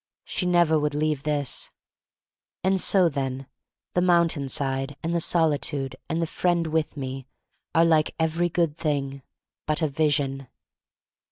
She never would leave this. And so, then, the mountainside and the solitude and the friend with me are, like every good thing, but a vision.